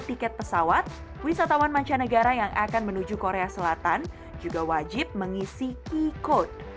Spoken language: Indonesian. tiket pesawat wisatawan mancanegara yang akan menuju korea selatan juga wajib mengisi e code